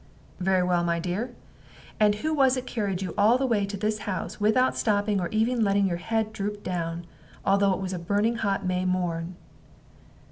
"Very well, my dear; and who was it carried you all the way to this house, without stopping, or even letting your head droop down, although it was a burning hot May morn?"